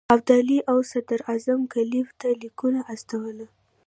ابدالي او صدراعظم کلایف ته لیکونه استولي.